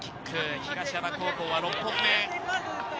東山高校は６本目。